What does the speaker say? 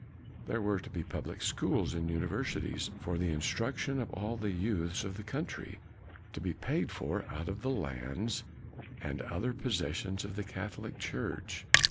There were to be public schools and universities for the instruc tion of all the youths of the country, to KNOX 137 be paid for out of the lands and other possessions of the Catholic Church.